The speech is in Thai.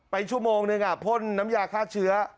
ไปชั่วโมงนึงโยงพ่นน้ำยากห้าเชื้อ